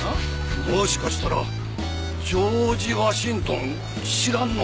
もしかしたらジョージ・ワシントン知らんの？